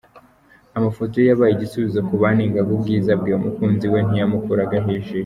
Amafoto ye yabaye igisubizo ku banengaga ubwiza bwe!! Umukunzi we nawe ntiyamukuragaho ijisho.